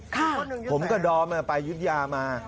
ค่ะผมก็ดอใหม่ไปยืดยามา